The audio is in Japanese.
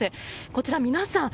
こちら、皆さん